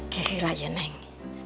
kek gila ya neng